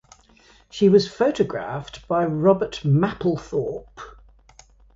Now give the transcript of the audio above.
She was photographed by Robert Mapplethorpe.